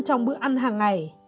trong bữa ăn hàng